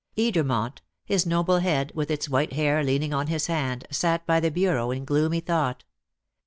Edermont, his noble head with its white hair leaning on his hand, sat by the bureau in gloomy thought.